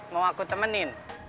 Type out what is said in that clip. mau aku temenin